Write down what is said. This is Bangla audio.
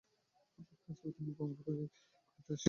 আমার কাছে তুমি প্রমাণ করিতে আসিয়াছ, এ কাজের জন্য কেহই দায়ী নহে।